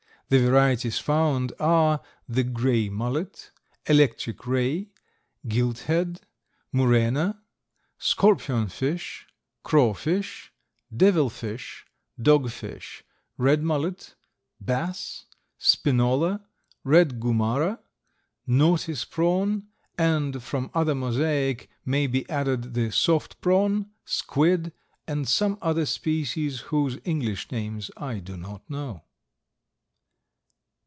The varieties found are: The grey mullet, electric ray, gilt head, muraena, scorpion fish, crawfish, devil fish, dog fish, red mullet, bass, spinola, red gumara, nautis prawn, and from another mosaic may be added the soft prawn, squid and some other species whose English names I do not know.